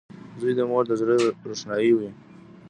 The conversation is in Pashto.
• زوی د مور د زړۀ روښنایي وي.